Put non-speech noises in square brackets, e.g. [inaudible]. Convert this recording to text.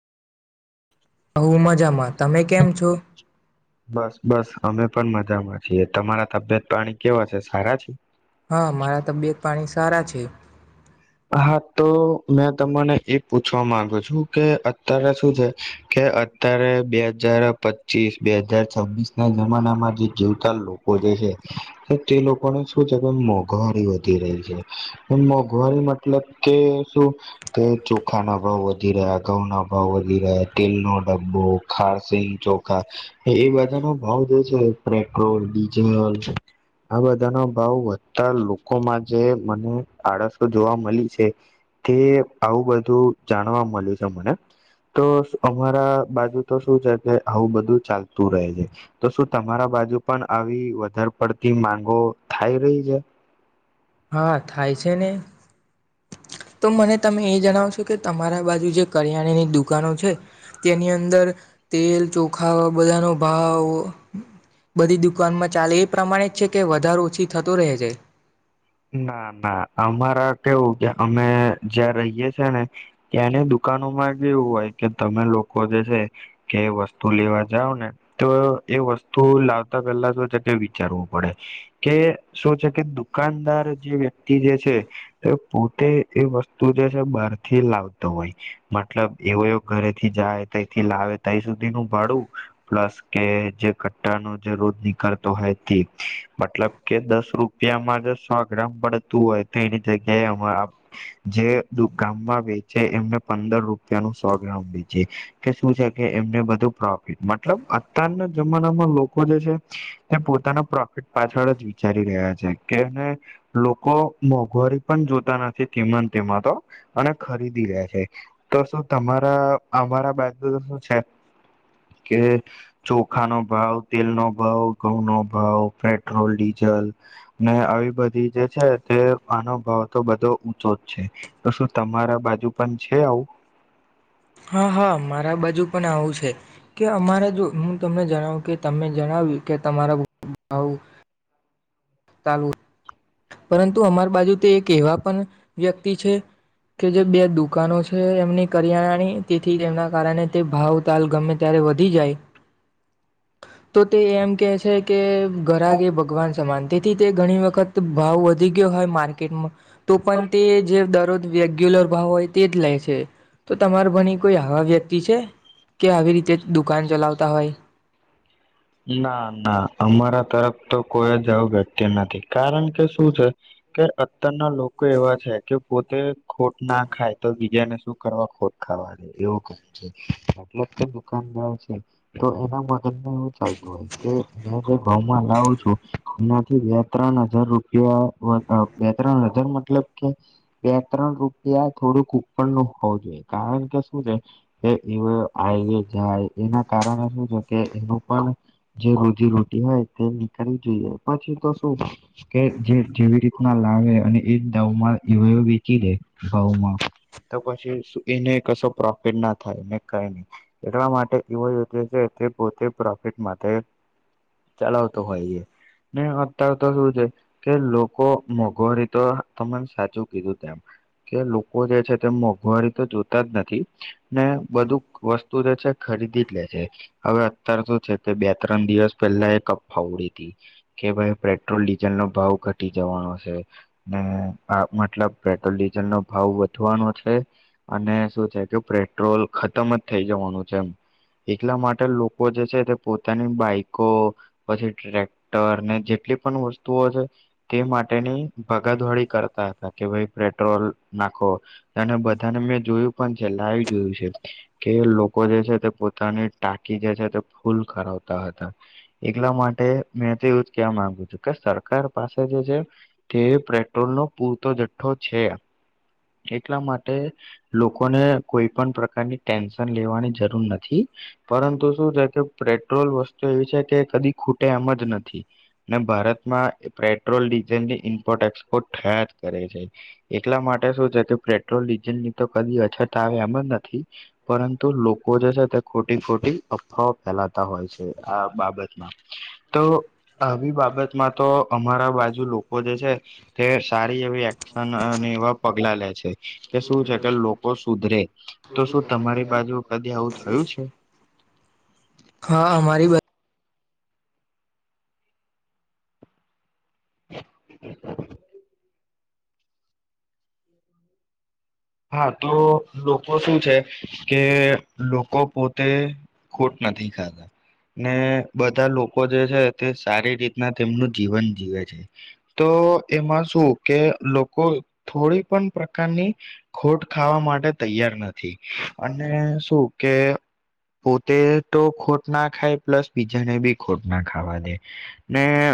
હું મજામાં તમે કેમ છો બસ બસ અમે પણ મજામાં છીએ તમારા તબિયત પાણી કેવા છે સારા છીએ હા મારા તબિયત પાણી સારા છે હા તો મેં તને એ પૂછવા માંગુ છું કે અત્યારે શું છે કે અત્યારે બે હજાર પચીસ બે હજાર છવ્વીસ ના જમાનામાં જે જીવતા લોકો જે છે તે લોકોને શું છે કે મોંઘવારી વધી રહી છે મોંઘવારી મતલબ કે શું કે ચોખા ના ભાવ વધી [unintelligible] ઘઉ ના ભાવ વધી રહ્યા તેલ નો ડબ્બો ખારસી ચોખા એ બધાનો ભાવ બહુ જે છે પેટ્રોલ ડીઝલ આ બધા નો ભાવ વધ લોકોમાં જે મને આળસો જોવા મળ તે આવું બધું જાણવા મળ્યું છે મને તો અમારા બાજુ તો શું છે કે આવું બધું ચાલતું રહે છે તો શું તમારા બાજુ પણ આવી વધારે પડતી માંગો થાય રહી છે હા થાય છે ને તો મને તમે એ જણાવ છો કે તમારા બાજુ જે કરિયાણાની દુકાનો છે તેની અંદર તેલ ચોખા બધાનો ભાવ બધી દુકાનમાં ચાલે પ્રમાણિત છે કે વધારો ઓછી થતું રહે છે. ના ના અમારા કેવું કે અમે જ્યાં રહીએ છે ને ત્યાંને દુખ દુકાનોમા કેવું હોય કે તમે લોક વધે છે કે વસ્તુ લેવા જાવને તો એ વસ્તુ લાવતા પેલા તો છે કે વિચારવું પડે કે શું છે કે દુકાન અત્યાર જે વ્યક્તિ જે છે એ પોતે એ વસ્તુ જે છે બહારથી લાવતો હોય, મતલબ એવો એ ઘરેથી જાય તથી લાવે તઈ સુધી નું ભાળું પ્લસ કે જે કટ્ટાનું જરોધ નીકળતો હોય તે મતલબ કે દસ રૂપ યામા દસ સો ગ્રામ પડતું હોય, તો એની જગ્યાએ જે ગામમાં વેચે એમને પંદર રૂપિયાનું સો ગ્રામ વેચે કે શું છે કે એમને બધું પ્રો મતલબ અતારના જમાનામાં લોકો જે છે તે પોતાના પ્રોફિટ પાછળજ વિચારી રહ્યા છે, કે એને લોકો મોંઘવારી પણ જોતા નથી તેમાંને તેમાં તો અને ખરીદીલે છે, તો શું તમારા અમારા બાજુ તો શું છે કે ચોખાનો ભાવ, તેલનો ભાવ, ઘઉંનો ભાવ, પેટ્રોલ ડીઝલ ને આવી બધી જે છે તે આનો ભાવ તો બધો ઊંચો જ છે, તો શું તમારા બાજુ પણ છે, આવું? હા હા મારા બાજુ પણ આવું છે. કે અમારે જો હું તમને જણાવું કે તમે જણાવ્યું કે તમારા ગ્રુપ માં આવું ચાલું પરંતુ અમારી બાજુ તે એક એવા પણ વ્યક્તિ છે કે જે બે દુકાનો છે એમની કરયાના ની તેથી તેમના કારણે તે ભાવ તાલ ગમે ત્યારે વધી જાય તો તે એમ કે છે કે ઘરાક એ ભગવાન સમાન તેથી તે ઘણી વખત ભાવ વધી ગયો હોય માર્કેટમાં તો પણ તે જે દરરોજ રેગ્યુલર ભાવ હોય તે જ લે છે. તો તમારે ભણી કોઈ આવા વ્યક્તિ છે કે આવી રીતે દુકાન ચલાવતા હોય. ના ના અમારા તરફ તો કોઈ જ આવું વ્યક્તિ નથી કારણ કે શું છે કે અત્યારના લોકો એવા છે કે પોતે ખોટ ના ખાય તો બીજાને શું કરવા ખોટ ખાવા દે એવું કામ છે મતલબ કે દુકાનદાર છે તો એના મદદ જે ઘઉમાં લાવું છું એનાથી બે ત્રણ હજાર રૂપિયા બે ત્રણ હજાર મતલબ કે બે ત્રણ રૂપિયા થોડુંક ઉપરનું હોવું જોઈએ કારણ કે શું છે કે એવો આવે જાય એના કારણે શું છે કે એનું પણ જે રોજી રોટી હોય તે નીકળવી જોઈએ પછી તો શું કે જે જેવી રીતના લાવે અને એ ભાવમાં એવા વેચી દે ઘઉમાં તો પછી એને કશો પ્રોફિટ ના થાય ને કઈ નહી એટલા માટે એવો યો છે કે પોતે માટે ચલાવતો હોય એ ને અત્યારે તો શું છે કે લોકો મોંઘવારી તો તમે સાચું કીધું તેમ કે લોકો જે છે તે મોંઘવારી તો જોતા જ નથી ને બધું વસ્તુ જે છે ખરીદી જ લે છે. હવે કે શું છે બે ત્રણ દિવસ પહેલા એ કપ ફાવડી હતી કે મને પર પેટ્રોલ ડીઝલ નો ભાવ ઘટી જવાનો છે ને આ મતલબ પેટ્રોલ ડીઝલ નો ભાવ વધવાનો છે અને શું છે કે પેટ્રોલ ખતમ જ થઈ જવાનું છે એમ એટલા માટે લોક લોકો જે છે તે પોતાની બાઈકો પછી ટ્રેક્ટર ને જેટલી જે પણ વસ્તુઓ છે તે માટેની ભાગાદોડી કરતા હતા કે ભાઈ પેટ્રોલ નાખો અને બધાને મેં જોયું પણ છે લાઈવ જોયું છે કે લોકો જે છે તે પોતાની ટાકી ફૂલ કરાવતા હતા એટલા માટે મેં તો એવું જ કેવા માંગુ છું કે સરકાર પાસે જે છે તે પેટ્રોલ નો પૂરતો જથ્થો છે એટલા માટે લોકોને કોઈ પણ પ્રકારની ટેન્શન લેવાની જરૂર નથી પરંતુ શું છે કે પેટ્રોલ વસ્તુ એવી છે કે કદી ખૂટે એમ જ નથી. ને ભારતમાં પેટ્રોલ ડીઝલની ઇમ્પોર્ટ એક્સપોર્ટ થયા જ કરે છે એટલા માટે શું છે કે પેટ્રોલ ડીઝલની તો કદી અછત આવે એમ જ નથી પરંતુ લોકો જે છે તે ખોટી ખોટી અફવાઓ ફેલાવતા હોય છે આ બાબતમાં તો આવી બાબતમાં તો અમારા બાજુ લોકો જે છે તે સારી એવી એકશન એવા પગલા લે છે કે શું છે કે લોકો સુધરે તો શું તમારી બાજુ કદી આવું થયું છે? હા અમારી બા [inaudible] હા તો લોકો સુું છે કે લોકો પોતે ખોટ નથી ખાતા ને બધા લોકો જે છે તે સારી રીતના તેમનું જીવન જીવે છે તો એમાં શું કે લોકો થોડી પણ પ્રકારની ખોટ ખાવા માટે તૈયાર નથી અને શું કે પોતે તો ખોટ ના ખાય પ્લસ બીજાને બી ખોટ ના ખાવા દે ને